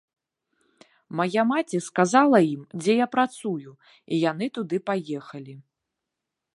Мая маці сказала ім, дзе я працую, і яны туды паехалі.